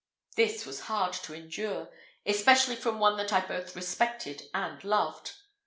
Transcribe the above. This was hard to endure, especially from one that I both respected and loved.